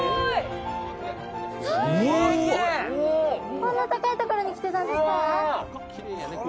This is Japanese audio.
こんな高いところに来てたんですか。